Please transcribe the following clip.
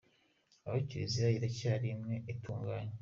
Aho Kiliziya iracyari imwe itunganye ?